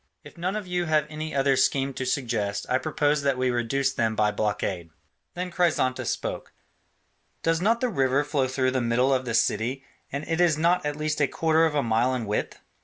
If none of you have any other scheme to suggest, I propose that we reduce them by blockade." Then Chrysantas spoke: "Does not the river flow through the middle of the city, and it is not at least a quarter of a mile in width?"